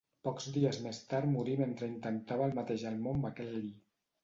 Pocs dies més tard morí mentre intentava el mateix al Mont McKinley.